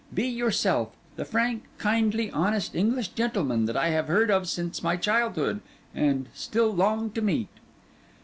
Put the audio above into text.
Be yourself: the frank, kindly, honest English gentleman that I have heard of since my childhood and still longed to meet.